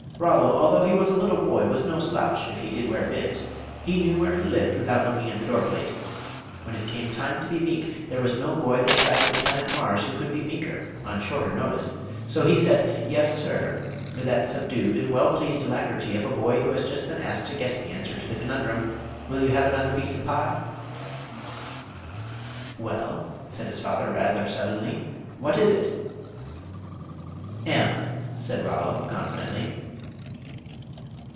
Rollo, although he was a little boy, was no slouch, if he did wear bibs; he knew where he lived without looking at the door plate. When it came time to be meek, there was no boy this side of the planet Mars who could be meeker, on shorter notice. So he said, "Yes, sir," with that subdued and well pleased alacrity of a boy who has just been asked to guess the answer to the conundrum, "Will you have another piece of pie?" "Well," said his father, rather suddenly, "what is it?" "M," said Rollo, confidently.